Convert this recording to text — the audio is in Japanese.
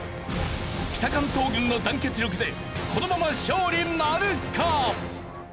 北関東軍の団結力でこのまま勝利なるか！？